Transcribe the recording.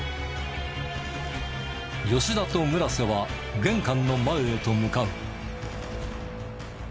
吉田と村瀬は玄関の前へと向かう。